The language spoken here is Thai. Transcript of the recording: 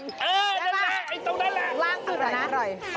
นั่นแหละไอ้ตรงนั้นแหละอร่อยอร่อยล่างสุดนะ